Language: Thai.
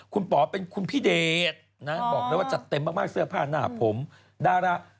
คุณป๋อเป็นคุณพิเดชนะบอกเลยว่าจัดเต็มมากเสื้อผ้าหน้าผมดารา